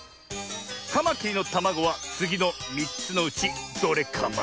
カマキリのたまごはつぎの３つのうちどれカマ？